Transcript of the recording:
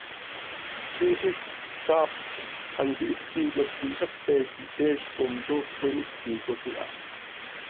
Ziix is ccapxl hant ihíticol coi xepe quih iteel com toox cöimíticol iha.